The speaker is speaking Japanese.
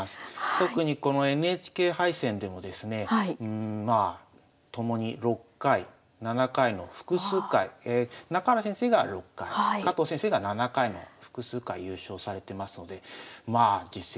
特にこのＮＨＫ杯戦でもですねまあともに６回７回の複数回中原先生が６回加藤先生が７回の複数回優勝されてますのでまあ実績